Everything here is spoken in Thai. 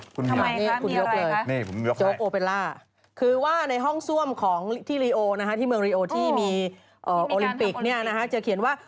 ทำไมคะมีอะไรคะโจ๊กโอเปล่าคือว่าในห้องซ่วมที่เมืองรีโอที่มีอุลิมปิกจะเขียนว่า